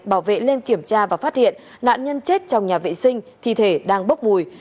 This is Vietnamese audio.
bảo vệ lên kiểm tra và phát hiện nạn nhân chết trong nhà vệ sinh thi thể đang bốc mùi